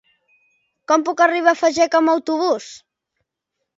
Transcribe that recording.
Com puc arribar a Fageca amb autobús?